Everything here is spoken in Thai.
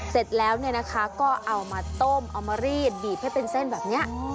เสร็จแล้วเนี่ยนะคะก็เอามาต้มเอามารีดบีบให้เป็นเส้นแบบนี้